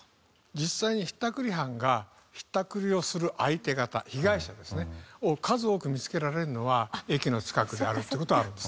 実際にひったくり犯がひったくりをする相手方被害者ですね。を数多く見つけられるのは駅の近くであるという事があるんですね。